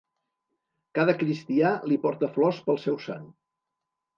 Cada cristià li porta flors pel seu sant.